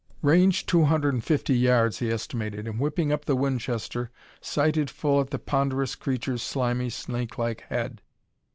"Range two hundred and fifty yards," he estimated, and, whipping up the Winchester, sighted full at the ponderous creature's slimy snakelike head.